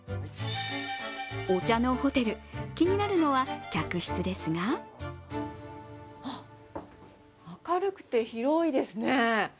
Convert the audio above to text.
お茶のホテル、気になるのは客室ですが明るくて、広いですね。